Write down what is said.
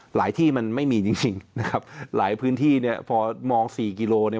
ที่มันไม่มีจริงนะครับหลายพื้นที่เนี่ยพอมองสี่กิโลเนี่ย